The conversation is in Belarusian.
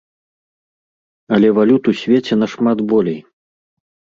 Але валют у свеце нашмат болей.